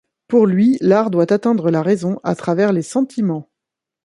Pour lui, l’art doit atteindre la raison à travers les sentiments.